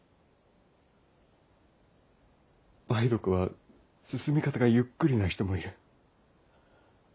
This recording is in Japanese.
梅毒は進み方がゆっくりな人もいる。